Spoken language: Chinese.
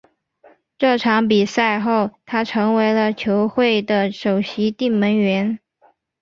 这场比赛后他成为了球会的首席定门员。